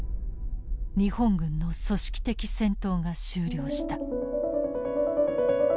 日本軍の組織的戦闘が終了した。